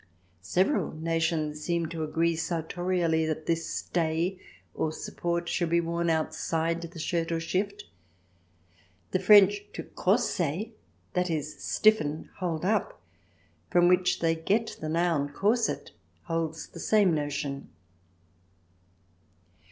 Several nations seem to agree sartorially that this stay or support should be worn outside the shirt or shift. The French " to corser" — i.e., stiffen, hold up — from which they get the noun corset, holds the same notion.